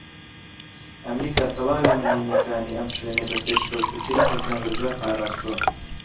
ئەمریکا تەواوی نھێنییەکانی ئەم شوێنەی بە پێشکەوتووترین تەکنەلۆژیا پارازتووە